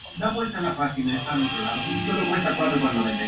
Una sola raíz dura y profunda.